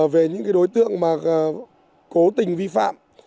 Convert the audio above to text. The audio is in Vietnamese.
về những đối tượng mà cố tình vi phạm